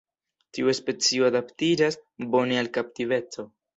Tiu specio adaptiĝas bone al kaptiveco.